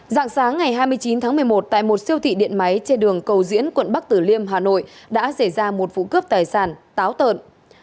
dạng sáng ngày hai mươi chín tháng một mươi một tại một siêu thị điện máy trên đường cầu diễn quận bắc tử liêm hà nội đã xảy ra một vụ cướp tài sản táo tợn